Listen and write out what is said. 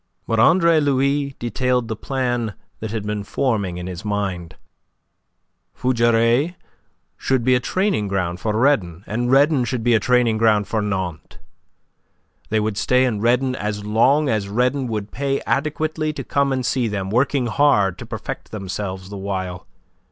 But Andre Louis detailed the plan that had been forming in his mind. Fougeray should be a training ground for Redon, and Redon should be a training ground for Nantes. They would stay in Redon as long as Redon would pay adequately to come and see them, working hard to perfect themselves the while.